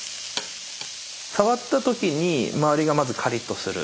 触った時に周りがまずカリッとする。